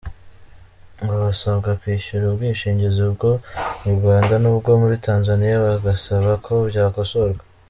Ngo basabwa kwishyura ubwishingizi bwo mu Rwanda n’ubwo muri Tanzaniya, bagasaba ko byakosorwa.